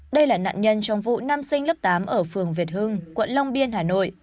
đây là nạn nhân trong vụ nam sinh lớp tám ở phường việt hưng quận long biên hà nội